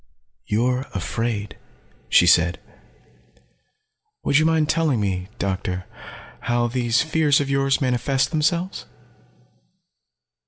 "You're afraid," she said. "Would you mind telling me, Doctor, how these fears of yours manifest themselves?"